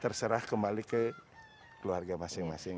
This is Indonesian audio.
terserah kembali ke keluarga masing masing